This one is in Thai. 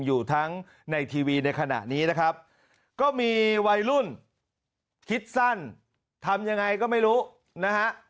อยู่ทั้งในทีวีในขณะนี้นะครับก็มีวัยรุ่นคิดสั้นทำยังไงก็ไม่รู้นะฮะ